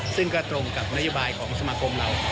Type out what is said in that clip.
ซึ่งก็ตรงกับนโยบายของสมาคมเรา